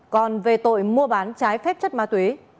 còn về tội mua bán trái phép chất ma túy